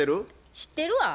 知ってるわ。